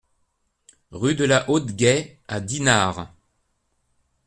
Rue de la Haute Guais à Dinard